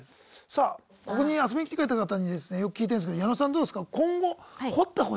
さあここに遊びに来てくれた方にですねよく聞いてるんですけど矢野さんどうですか今後掘ってほしいテーマの人とかいます？